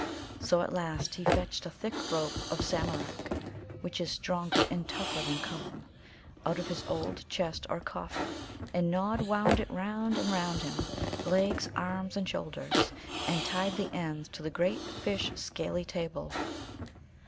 So at last he fetched a thick rope of Samarak (which is stronger and tougher than Cullum) out of his old chest or coffer, and Nod wound it round and round him legs, arms, and shoulders and tied the ends to the great fish scaly table.